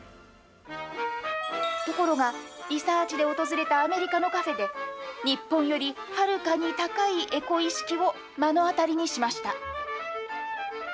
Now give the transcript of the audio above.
ところが、リサーチで訪れたアメリカのカフェで、日本よりはるかに高いエコ意識を目の当たりにしました。